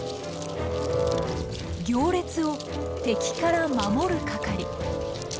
行列を敵から守る係。